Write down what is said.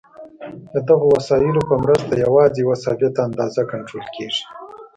د دغو وسایلو په مرسته یوازې یوه ثابته اندازه کنټرول کېږي.